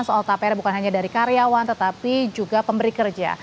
soal tpr bukan hanya dari karyawan tetapi juga pemberi kerja